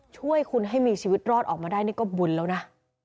ช่วยคุณให้มีชีวิตรอดออกมาได้นี่ก็บุญแล้วนะ